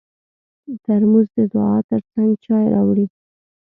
ترموز د دعا تر څنګ چای راوړي.